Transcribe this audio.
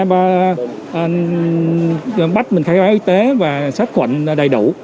mình bắt mình khai báo y tế và sách khuẩn đầy đủ